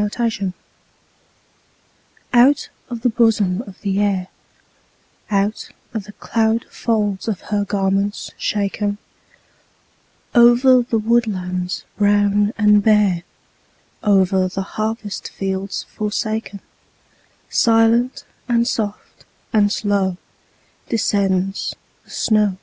SNOW FLAKES Out of the bosom of the Air, Out of the cloud folds of her garments shaken, Over the woodlands brown and bare, Over the harvest fields forsaken, Silent, and soft, and slow Descends the snow.